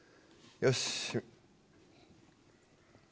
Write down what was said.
よし。